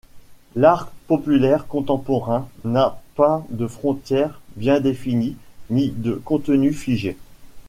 L’art populaire contemporain n’a pas de frontières bien définies ni de contenus figés.